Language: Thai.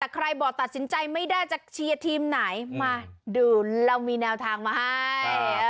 แต่ใครบอกตัดสินใจไม่ได้จะเชียร์ทีมไหนมาดูเรามีแนวทางมาให้